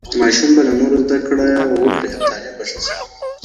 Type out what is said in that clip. ماشوم به له نورو زده کړه وکړي او تعليم به ښه سي.